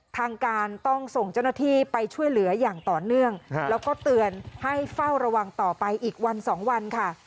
ทางการต้องส่งเจ้าหน้าที่ไปช่วยเหลืออย่างต่อเนื่องแล้วก็เตือนให้เฝ้าระวังต่อไปอีกวันสองวันค่ะ